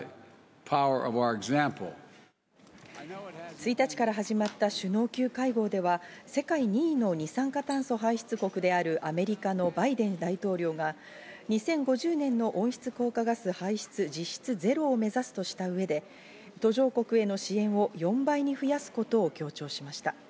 １日から始まった首脳級会合では世界２位の二酸化炭素排出国であるアメリカのバイデン大統領が２０５０年の温室効果ガス排出実質ゼロを目指すとした上で、途上国への支援を４倍に増やすことを強調しました。